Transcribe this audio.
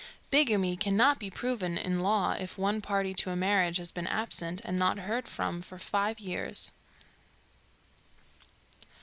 Bigamy cannot be proven in law if one party to a marriage has been absent and not heard from for five years.